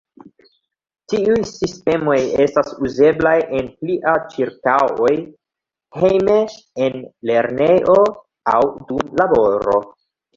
Tiuj sistemoj estas uzeblaj en plia ĉirkaŭoj, hejme, en lernejo, aŭ dum laboro.